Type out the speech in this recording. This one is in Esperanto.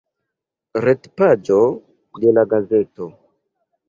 Retpaĝo de la gazeto.